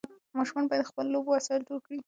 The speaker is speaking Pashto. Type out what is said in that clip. ماشومان باید د خپلو لوبو وسایل ټول کړي.